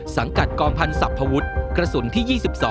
สังกัดกองพันธ์สรรพวุฒิกระสุนที่๒๒